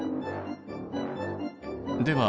では